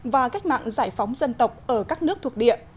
và cách mạng giải phóng dân tộc ở các nước thuộc địa